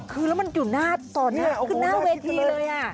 คือแล้วมันอยู่หน้าตอนนี้คือหน้าเวทีเลย